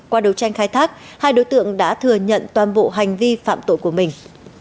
qua đấu tranh khai thác hai đối tượng đã thừa nhận toàn bộ hành vi phạm tội của mình